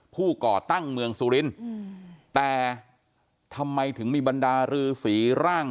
ก่อตั้งเมืองสุรินทร์แต่ทำไมถึงมีบรรดารือสีร่าง